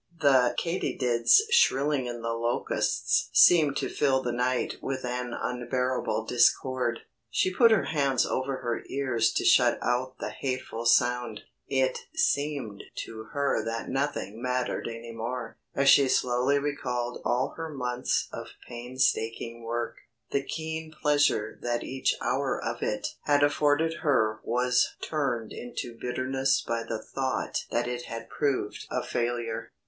The katydids shrilling in the Locusts seemed to fill the night with an unbearable discord. She put her hands over her ears to shut out the hateful sound. It seemed to her that nothing mattered any more. As she slowly recalled all her months of painstaking work, the keen pleasure that each hour of it had afforded her was turned into bitterness by the thought that it had proved a failure.